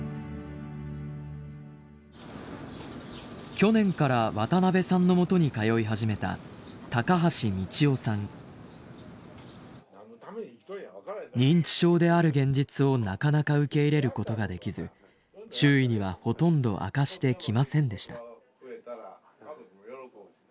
去年から渡邊さんのもとに通い始めた認知症である現実をなかなか受け入れることができず周囲にはほとんど明かしてきませんでした。